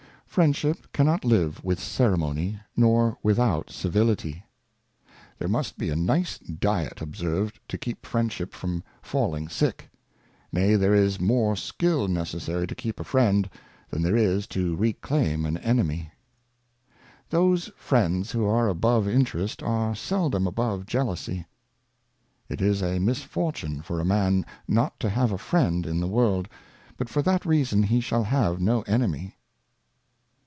Friendship cannot live with Ceremony, nor without Civility. There must be a nice Diet observed to keep Friendship from falling sick ; nay, there is more Skill necessary to keep a Friend, than there is to reclaim an Enemy. Those Friends who are above Interest are seldom above Jealousy. It is a Misfortune for a Man not to have a Friend in the World, but for that reason he shall have no Enemy.